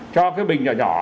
cho cái bình nhỏ nhỏ